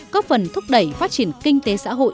có phần thúc đẩy phát triển kinh tế xã hội